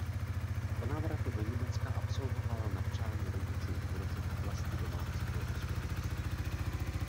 Po návratu do Německa absolvovala na přání rodičů kurzy v oblasti domácího hospodářství.